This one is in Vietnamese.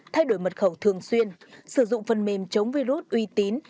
thay đổi mật khẩu thường xuyên sử dụng phần mềm chống virus uy tín